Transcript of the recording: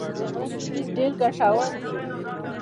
د غره ممیز ډیر ګټور دي